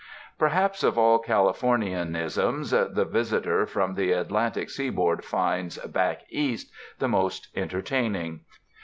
Perhaps of all Californianisms, the visitor from the Atlantic seaboard finds "back East" the most entertaining.